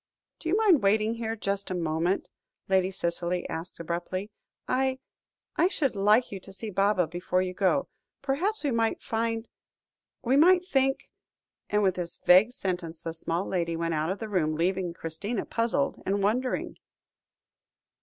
"Do you mind waiting here just a moment?" Lady Cicely asked abruptly. "I I should like you to see Baba before you go; perhaps we might find we might think " and with this vague sentence, the small lady went out of the room, leaving Christina puzzled and wondering.